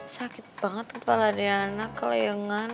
sakit banget kepala daryana kalau yang ngasih